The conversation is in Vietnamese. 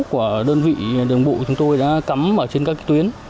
của đơn vị đường bộ của chúng tôi đã cắm vào trên các tuyến